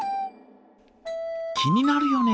気になるよね。